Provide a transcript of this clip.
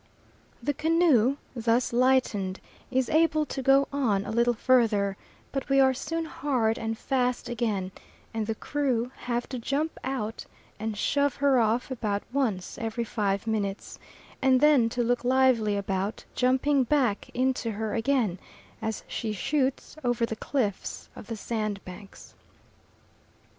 The canoe, thus lightened, is able to go on a little further, but we are soon hard and fast again, and the crew have to jump out and shove her off about once every five minutes, and then to look lively about jumping back into her again, as she shoots over the cliffs of the sandbanks.